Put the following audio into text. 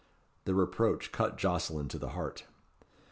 The reproach cut Jocelyn to the heart.